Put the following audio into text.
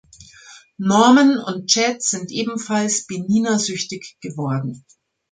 Norman und Chad sind ebenfalls Beninia-süchtig geworden.